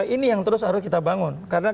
ini yang terus harus kita bangun karena